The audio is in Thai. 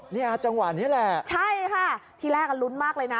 เนี่ยจังหวะนี้แหละใช่ค่ะที่แรกลุ้นมากเลยนะ